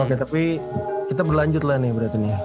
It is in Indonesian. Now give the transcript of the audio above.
oke tapi kita berlanjut lah nih berarti nih ya